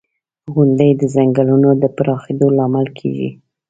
• غونډۍ د ځنګلونو د پراخېدو لامل کېږي.